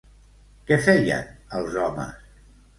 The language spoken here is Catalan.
Què feien els homes?